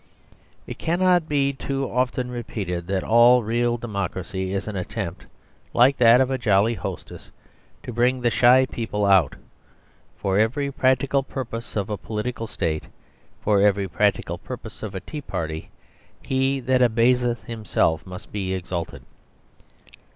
..... It cannot be too often repeated that all real democracy is an attempt (like that of a jolly hostess) to bring the shy people out. For every practical purpose of a political state, for every practical purpose of a tea party, he that abaseth himself must be exalted.